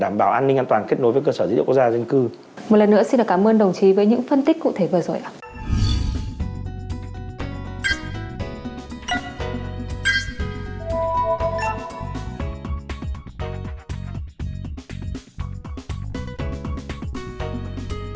một lần nữa xin cảm ơn đồng chí với những phân tích cụ thể vừa rồi ạ